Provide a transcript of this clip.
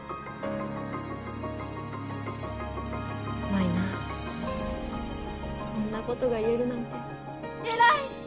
舞菜こんなことが言えるなんて偉い！